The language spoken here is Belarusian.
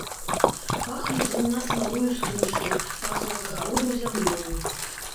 Пахлі з гумна смалою стружкі, пахла з агародаў зямлёю.